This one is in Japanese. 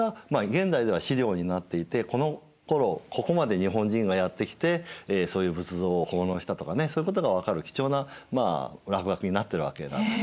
現代では史料になっていてこのころここまで日本人がやって来てそういう仏像を奉納したとかねそういうことが分かる貴重な落書きになってるわけなんですね。